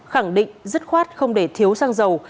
khẳng định dứt khoát không để thiếu sang giàu